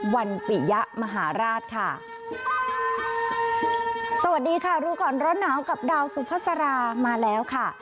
ปิยะมหาราชค่ะสวัสดีค่ะรู้ก่อนร้อนหนาวกับดาวสุภาษามาแล้วค่ะ